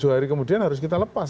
dua hari kemudian harus kita lepas